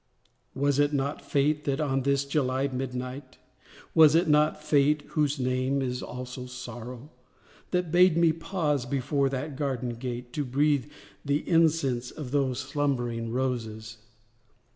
Was it not Fate, that, on this July midnight— Was it not Fate, (whose name is also Sorrow,) That bade me pause before that garden gate, To breathe the incense of those slumbering roses?